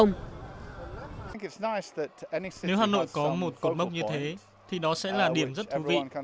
nếu hà nội có một cột mốc như thế thì đó sẽ là điểm rất thú vị